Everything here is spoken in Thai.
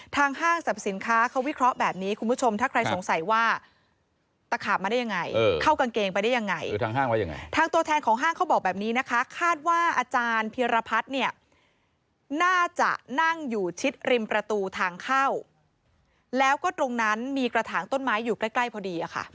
ทางอาจารย์พีรพัฒน์เนี่ยน่าจะนั่งอยู่ชิดริมประตูทางเข้าแล้วก็ตรงนั้นมีกระถางต้นไม้อยู่ใกล้พอดีอะค่ะ